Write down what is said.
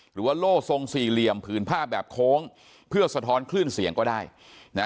โล่ทรงสี่เหลี่ยมผืนผ้าแบบโค้งเพื่อสะท้อนคลื่นเสียงก็ได้นะ